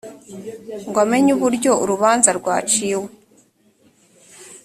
ngo amenye uburyo urubanza rwaciwe